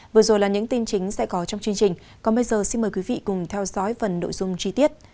vừa rồi là những tin chính sẽ có trong chương trình còn bây giờ xin mời quý vị cùng theo dõi phần nội dung chi tiết